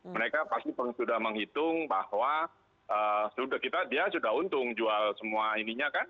mereka pasti sudah menghitung bahwa dia sudah untung jual semua ininya kan